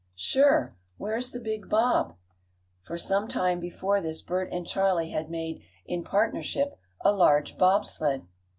"Sure. Where's the big bob?" For some time before this Bert and Charley had made, in partnership, a large bob sled.